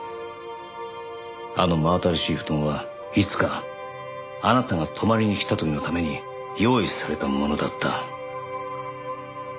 あの真新しい布団はいつかあなたが泊まりに来た時のために用意されたものだった。